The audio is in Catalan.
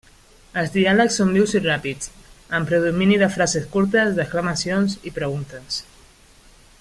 Els diàlegs són vius i ràpids, amb predomini de frases curtes, d'exclamacions i preguntes.